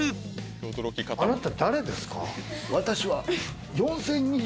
あなた誰ですか？